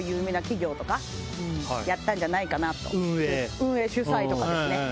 運営主催とかですね。